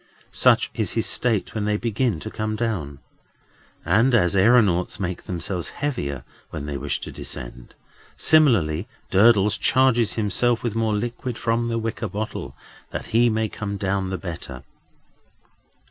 Such is his state when they begin to come down. And as aëronauts make themselves heavier when they wish to descend, similarly Durdles charges himself with more liquid from the wicker bottle, that he may come down the better.